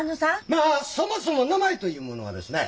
まあそもそも名前というものはですね。